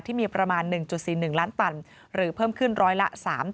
ที่มีประมาณ๑๔๑ล้านตันหรือเพิ่มขึ้นร้อยละ๓๐